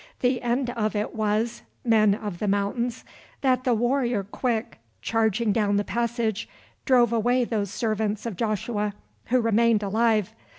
The end of it was, men of the mountains, that the warrior Quick, charging down the passage, drove away those servants of Joshua who remained alive.